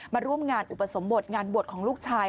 มาร่วมงานอุปสมบทงานบวชของลูกชาย